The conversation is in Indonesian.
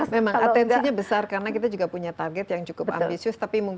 memang atensinya besar karna kita juga punya target yang cukup ambil ibu penginginan di setiap taunca